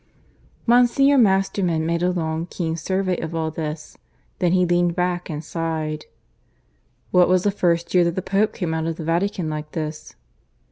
Monsignor Masterman made a long, keen survey of all this. Then he leaned back and sighed. "What was the first year that the Pope came out of the Vatican like this?"